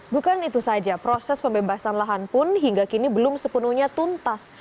bukan itu saja proses pembebasan lahan pun hingga kini belum sepenuhnya tuntas